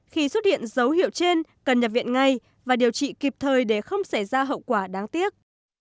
khi xuất hiện dấu hiệu trên cần nhập viện ngay và điều trị kịp thời để không xảy ra hậu quả đáng tiếc